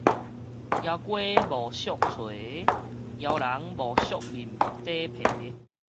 枵雞無惜箠，枵人無惜面底皮